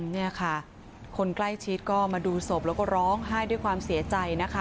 นี่ค่ะคนใกล้ชิดก็มาดูศพแล้วก็ร้องไห้ด้วยความเสียใจนะคะ